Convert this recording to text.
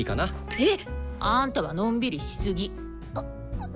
えっ！あんたはのんびりしすぎ。